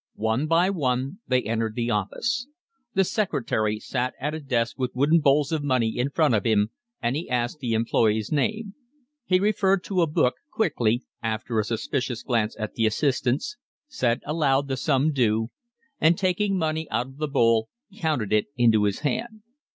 One by one they entered the office. The secretary sat at a desk with wooden bowls of money in front of him, and he asked the employe's name; he referred to a book, quickly, after a suspicious glance at the assistant, said aloud the sum due, and taking money out of the bowl counted it into his hand.